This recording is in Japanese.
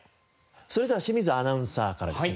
それでは清水アナウンサーからですね